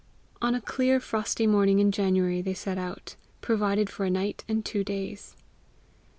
On a clear frosty morning in January they set out, provided for a night and two days.